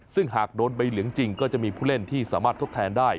ซึ่งหากโดนใบเหลืองจริงก็จะมีผู้เล่นที่สามารถทดแทนได้